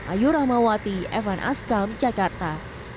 ayu rahmawati evan askam jakarta